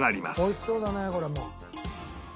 美味しそうだねこれも。